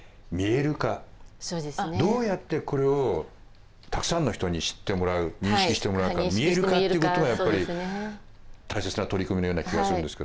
どうやってこれをたくさんの人に知ってもらう認識してもらうか見える化っていうことがやっぱり大切な取り組みのような気がするんですけどね。